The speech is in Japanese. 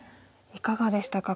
いかがでしたか